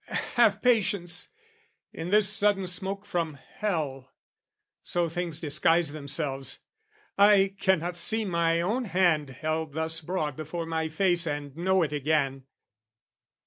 Have patience! In this sudden smoke from hell, So things disguise themselves, I cannot see My own hand held thus broad before my face And know it again.